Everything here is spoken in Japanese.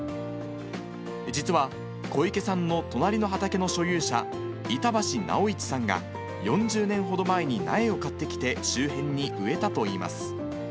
実は、小池さんの隣の畑の所有者、板橋直一さんが４０年ほど前に苗を買ってきて、周辺に植えたといいます。